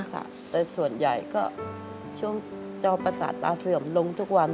แต่ส่วนใหญ่ก็ช่วงจอประสาทตาเสื่อมลงทุกวัน